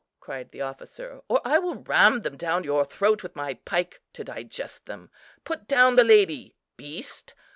cried the officer, "or I will ram them down your throat with my pike to digest them. Put down the lady, beast.